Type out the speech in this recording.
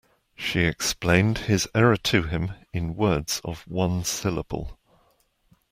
She explained his error to him in words of one syllable.